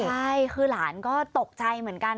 ใช่คือหลานก็ตกใจเหมือนกัน